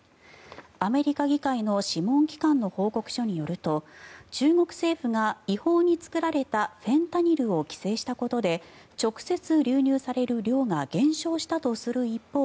アメリカ議会の諮問機関の報告書によると中国政府が違法に作られたフェンタニルを規制したことで直接、流入される量が減少したとする一方